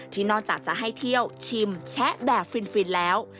ที่นอกจากจะให้เที่ยวชิมแชะแบบฟินแล้ว